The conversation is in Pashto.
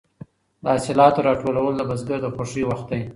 د حاصلاتو راټولول د بزګر د خوښۍ وخت دی.